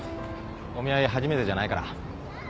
お見合い初めてじゃないから。